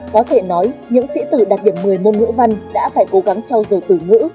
có thể nói những sĩ tử đạt điểm một mươi môn ngữ văn đã phải cố gắng trao dồi từ ngữ